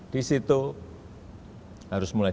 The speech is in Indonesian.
disitu harus mulai